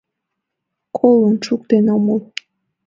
Колын шуктен омыл...